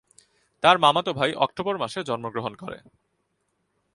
তার মামাতো ভাই অক্টোবর মাসে জন্মগ্রহণ করে।